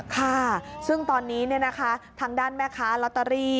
ค่ะซึ่งตอนนี้เนี่ยนะคะทางด้านแม่ค้าลอตเตอรี่